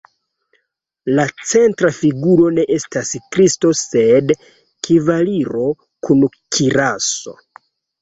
La centra figuro ne estas Kristo sed kavaliro kun kiraso.